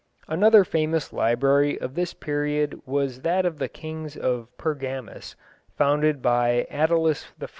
Another famous library of this period was that of the Kings of Pergamus, founded by Attalus I.